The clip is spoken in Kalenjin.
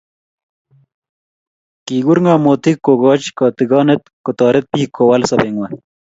Kikur ngamotik kokoch kotigonet kotoret bik Kowal sobengwai